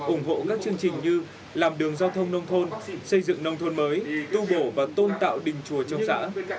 ủng hộ các chương trình như làm đường giao thông nông thôn xây dựng nông thôn mới tu bổ và tôn tạo đình chùa trong xã